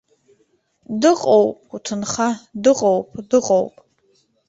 Дыҟоуп, уҭынха, дыҟоуп, дыҟоуп.